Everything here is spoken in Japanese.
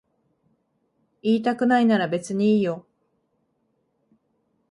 言いたくないなら別にいいよ。